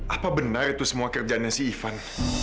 apa benar itu semua kerjaannya si ivan